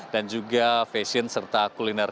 dan juga fashion serta kuliner